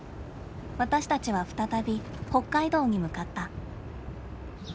私たちは再び北海道に向かった。